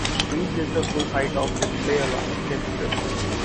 Each is the full height of the display-a long, thin strip.